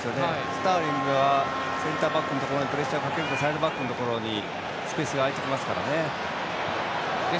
スターリングがセンターバックのところにプレッシャーをかけるとサイドバックのところにスペースが空くので。